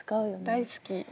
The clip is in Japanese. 大好き。